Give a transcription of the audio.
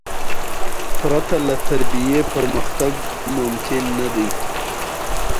خو په دې کې هېڅ شک نشته.